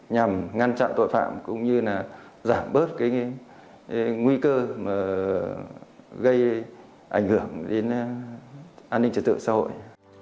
nhằm ngăn chặn tội phạm cũng như là giảm bớt cái nguy cơ mà gây ảnh hưởng đến an ninh trật tự xã hội